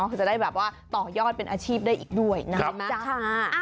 คือจะได้แบบว่าต่อยอดเป็นอาชีพได้อีกด้วยนะครับ